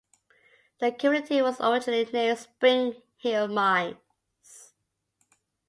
The community was originally named Springhill Mines.